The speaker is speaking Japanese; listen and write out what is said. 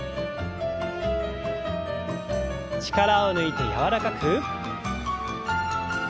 力を抜いて柔らかく。